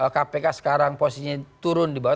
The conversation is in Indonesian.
kpk sekarang posisinya turun di bawah